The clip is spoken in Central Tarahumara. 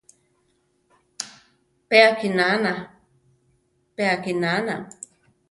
Pe akinana, pe akinana!